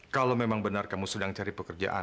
kalau memang benar kamu sedang cari pekerjaan